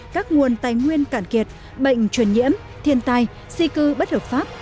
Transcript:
các nguồn tài nguyên cạn kiệt bệnh truyền nhiễm thiên tai di cư bất hợp pháp